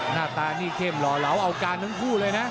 หน้าตานี่เข้มหล่อเหลาเอาการทั้งคู่เลยนะ